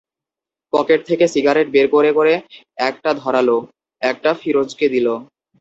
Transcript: Pocket থেকে cigarette বের করে করে একটা ধরাল, একটা ফিরোজকে দিল।